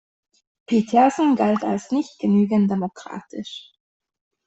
Petersen galt als nicht genügend demokratisch.